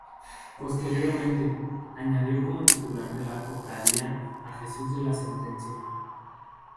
Posteriormente añadió como titular de la cofradía a Jesús de la Sentencia.